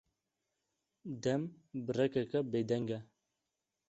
Dem, birekeke bêdeng e.